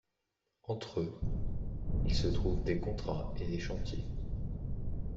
Entre eux, ils se trouvent des contrats et des chantiers.